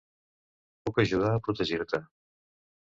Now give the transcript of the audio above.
Puc ajudar a protegir-te.